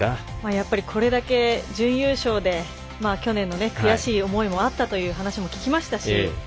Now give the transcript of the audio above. やっぱり、これだけ準優勝で、去年の悔しい思いもあったという話も聞きましたし